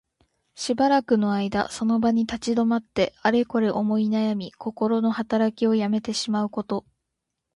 しばらくの間その場に立ち止まって、あれこれ思いなやみ、こころのはたらきをやめてしまうこと。